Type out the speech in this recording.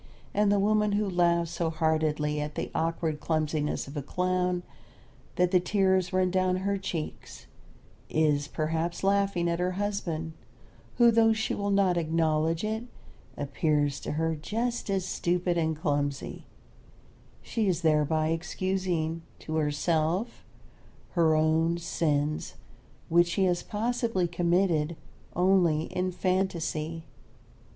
And the woman who laughs so heartily at the awkward clumsiness of a clown, that the tears run down her cheeks, is perhaps laughing at her husband, who, though she will not acknowledge it, appears to her just as stupid and clumsy; she is thereby excusing to herself her own sins which she has possibly committed only in fantasy.